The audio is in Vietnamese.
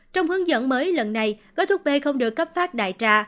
trong hướng dẫn mới lần này có thuốc b không được cấp phát đại tra